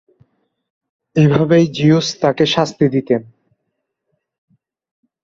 এভাবেই জিউস তাকে শাস্তি দিতেন।